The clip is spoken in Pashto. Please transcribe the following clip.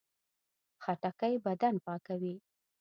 خټکی بدن پاکوي.